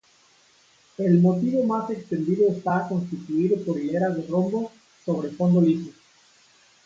El motivo más extendido está constituido por hileras de rombos sobre fondo liso.